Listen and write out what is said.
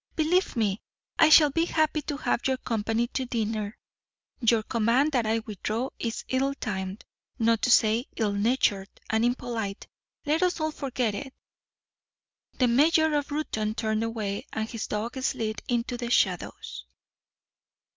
"Believe me, I shall be happy to have your company to dinner. Your command that I withdraw is ill timed, not to say ill natured and impolite. Let us all forget it." The mayor of Reuton turned away, and his dog slid into the shadows.